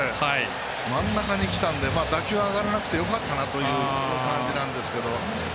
真ん中にきたので打球が上がらなくてよかったなという打撃なんですけど。